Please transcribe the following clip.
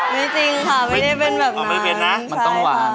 ไม่จริงค่ะไม่ได้เป็นแบบนั้นใช่พี่พี่ค่ามีผิวค่ามันต้องหวาน